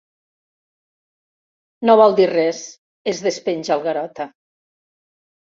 No vol dir res —es despenja el Garota—.